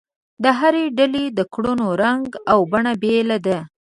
د هرې ډلې د کړنو رنګ او بڼه بېله ده.